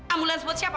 ambulan buat siapa